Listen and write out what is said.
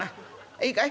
いいかい？